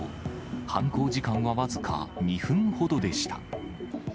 犯行時間は僅か２分ほどでした。